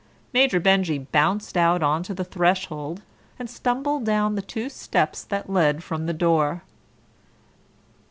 Major Benjy bounced out on to the threshold, and stumbled down the two steps that led from the door.